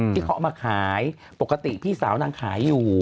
ที่เขาเอามาขายปกติพี่สาวนางขายอยู่